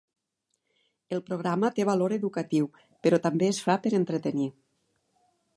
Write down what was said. El programa té valor educatiu, però també es fa per entretenir.